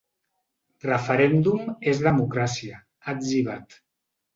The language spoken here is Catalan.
Referèndum és democràcia, ha etzibat.